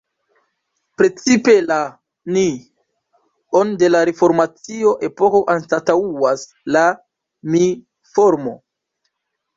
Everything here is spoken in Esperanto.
Precipe la "ni"-on de la reformacio-epoko anstataŭas la "mi"-formo.